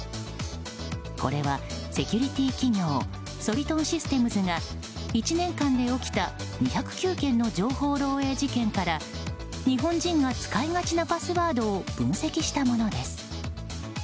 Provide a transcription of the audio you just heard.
これはセキュリティー企業ソリトンシステムズが１年間で起きた２０９件の情報漏えい事件から日本人が使いがちなパスワードを分析したものです。